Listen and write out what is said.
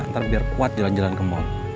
ntar biar kuat jalan jalan ke mall